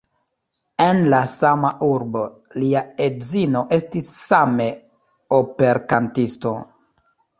En la sama urbo lia edzino estis same operkantisto.